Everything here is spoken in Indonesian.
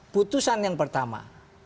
putusan yang pertama